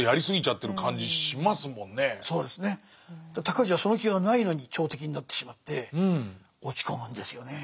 尊氏はその気がないのに朝敵になってしまって落ち込むんですよね。